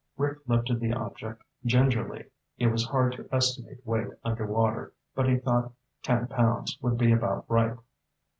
Rick lifted the object gingerly. It was hard to estimate weight under water, but he thought ten pounds would be about right.